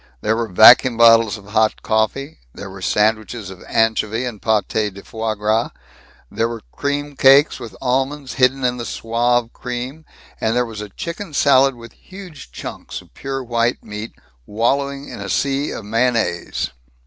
There were vacuum bottles of hot coffee. There were sandwiches of anchovy and paté de foie gras. There were cream cakes with almonds hidden in the suave cream, and there was a chicken salad with huge chunks of pure white meat wallowing in a sea of mayonnaise.